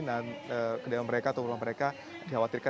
dan kedamaian mereka atau rumah mereka dikhawatirkan